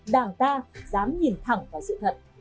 đảng ta dám nhìn thẳng vào sự thật